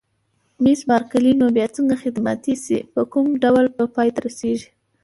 مس بارکلي: نو بیا څنګه ختمېدای شي، په کوم ډول به پای ته رسېږي؟